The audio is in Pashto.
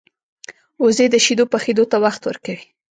وزې د شیدو پخېدو ته وخت ورکوي